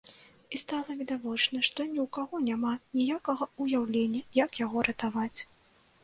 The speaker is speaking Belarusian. І стала відавочна, што ні ў кога няма ніякага ўяўлення, як яго ратаваць.